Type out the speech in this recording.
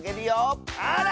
あら！